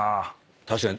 確かに。